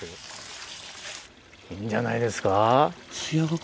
いいんじゃないですか？